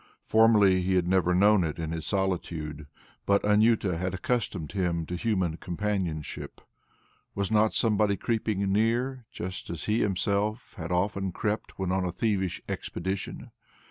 Formerly he had never known it in his solitude, but Anjuta had accustomed him to human companionship. Was not somebody creeping near, just as he himself had often crept when on a thievish expedition?